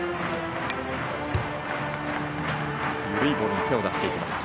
緩いボールに手を出していきました。